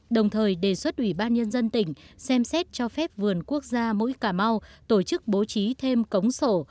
đồng thời đề xuất ủy ban nhân dân tỉnh xem xét cho phép vườn quốc gia mũi cà mau tổ chức bố trí thêm cống sổ